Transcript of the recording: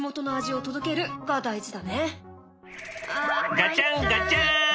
ガチャンガチャン！